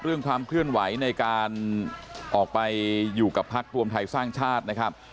ความเคลื่อนไหวในการออกไปอยู่กับพักรวมไทยสร้างชาตินะครับ